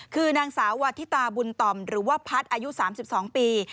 คือนางสาววาทิตาบุญต่อมหรือว่าพัฒน์อายุ๓๒ปี